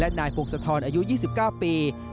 และนายภูกษธรอายุ๒๙ปี